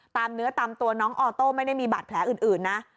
เนื้อตามตัวน้องออโต้ไม่ได้มีบาดแผลอื่นนะ